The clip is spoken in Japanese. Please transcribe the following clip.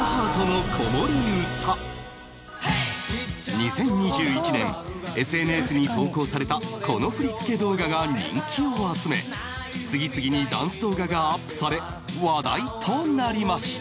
２０２１年 ＳＮＳ に投稿されたこの振り付け動画が人気を集め次々にダンス動画がアップされ話題となりました